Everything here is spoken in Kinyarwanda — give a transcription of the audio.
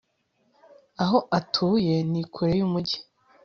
aho atuye ni kure yumujyi